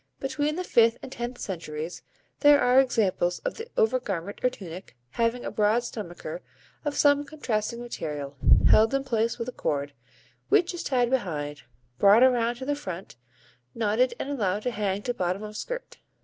Between the fifth and tenth centuries there are examples of the overgarment or tunic having a broad stomacher of some contrasting material, held in place with a cord, which is tied behind, brought around to the front, knotted and allowed to hang to bottom of skirt.